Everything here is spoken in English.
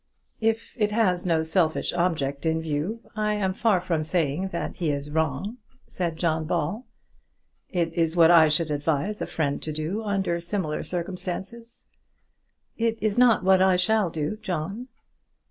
"If it has no selfish object in view I am far from saying that he is wrong," said John Ball. "It is what I should advise a friend to do under similar circumstances." "It is not what I shall do, John."